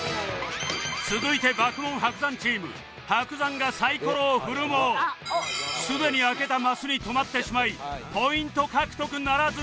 続いて爆問伯山チーム伯山がサイコロを振るもすでに開けたマスに止まってしまいポイント獲得ならず